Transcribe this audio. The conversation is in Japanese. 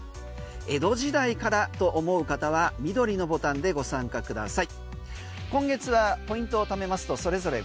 江戸時代からだと思う方は緑のボタンでご参加ください。